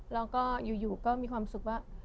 แล้วก็อยู่ก็มีความสุขว่า